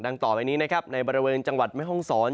ต่อไปนี้นะครับในบริเวณจังหวัดแม่ห้องศร